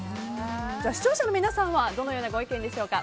視聴者の皆さんはどのようなご意見でしょうか。